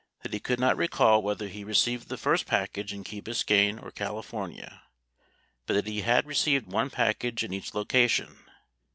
That he could not recall whether he received the first package in Key Biscayne or California, but that he had received one package in each location.